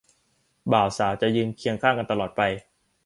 บ่าวสาวจะยืนเคียงข้างกันตลอดไป